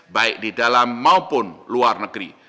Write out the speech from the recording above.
baik di dalam maupun luar negeri